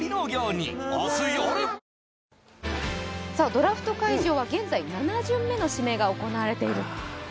ドラフト会場は現在、７巡目の指名が行われていると。